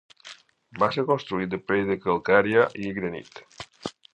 Va ser construït de pedra calcària i granit.